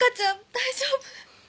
大丈夫。